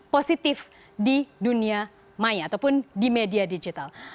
positif di dunia maya ataupun di media digital